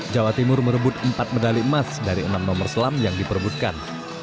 jawa timur merebut empat medali emas dari enam nomor selam yang diperbutkan